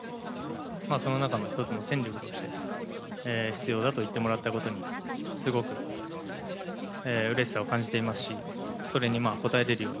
その中の１つの戦力として必要だと言ってもらったことにすごくうれしさを感じていますしそれに応えられるように。